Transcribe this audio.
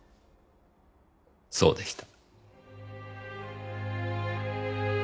そうでした。